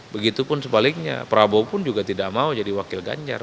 begitupun sebaliknya prabowo pun juga tidak mau jadi wakil ganjar